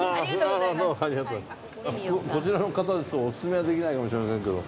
こちらの方ですとオススメはできないかもしれませんけど。